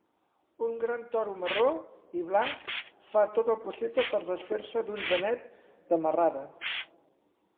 Un gran toro marró i blanc fa tot el possible per desfer-se d'un genet de marrada.